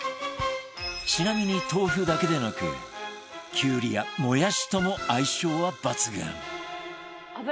ちなみに豆腐だけでなくきゅうりやもやしとも相性は抜群